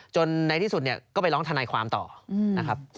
ในที่สุดเนี่ยก็ไปร้องทนายความต่อนะครับ